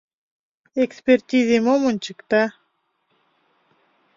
Экспертизе мом ончыкта...